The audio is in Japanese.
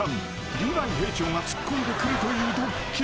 リヴァイ兵長が突っ込んでくるというドッキリ］